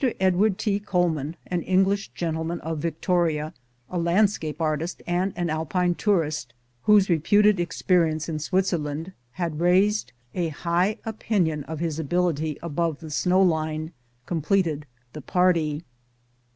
Edward T. Coleman, an English gentleman of Victoria, a landscape artist and an Alpine tourist, whose reputed experience in Switzer land had raised a high opinion of his ability above the snow line, completed the party.